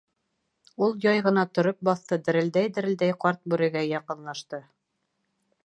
Ул яй ғына тороп баҫты, дерелдәй-дерелдәй ҡарт бүрегә яҡынлашты.